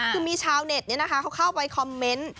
คือมีชาวในแนะท์เข้าไปคอมเมนต์